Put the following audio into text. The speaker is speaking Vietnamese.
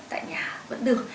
tại nhà vẫn được